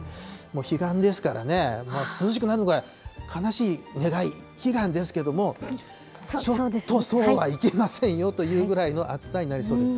彼岸ですからね、もう涼しくなるのが、悲しい願い、悲願ですけども、ちょっとそうはいきませんよというぐらいの暑さになりそうです。